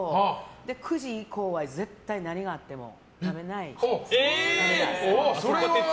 で、９時以降は絶対、何があっても食べないです。